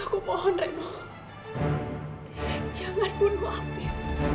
aku mohon reno jangan bunuh alvif